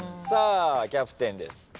さあキャプテンです。